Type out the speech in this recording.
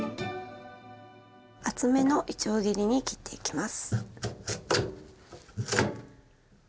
厚めのいちょう切りに切っていきます。